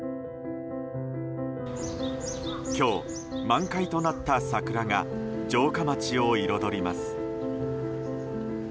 今日、満開となった桜が城下町を彩ります。